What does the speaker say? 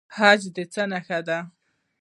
حج د څه نښه ده؟